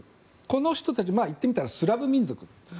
この人たち、いってみたらスラブ民族。